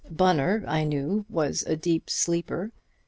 Bunner, I knew, was a deep sleeper.